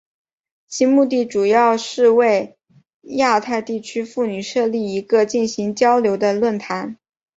其目的主要是为亚太地区妇女设立一个进行交流的论坛。